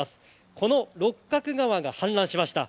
この六角川が氾濫しました。